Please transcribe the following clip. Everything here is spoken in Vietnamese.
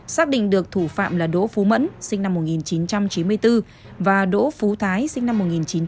xác định được thủ phạm là đỗ phú mẫn sinh năm một nghìn chín trăm chín mươi bốn và đỗ phú thái sinh năm một nghìn chín trăm chín mươi